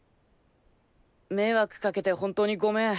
迷惑かけて本当にごめん。